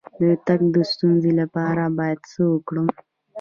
د تګ د ستونزې لپاره باید څه وکړم؟